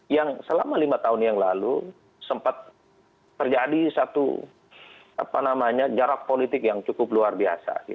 yang selama lima tahun yang lalu sempat terjadi satu jarak politik yang cukup luar biasa